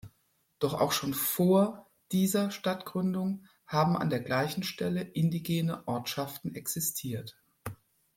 Doch auch schon vor dieser Stadtgründung haben an der gleichen Stelle indigene Ortschaften existiert.